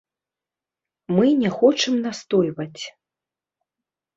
Мы не хочам настойваць.